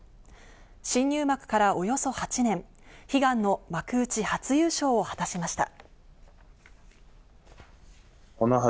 新入幕からおよそ８年、悲願の幕内初優勝を果たしました。